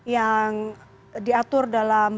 yang diatur dalam